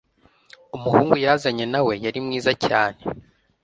umuhungu yazanye na we yari mwiza cyane